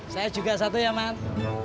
saya juga satu ya mas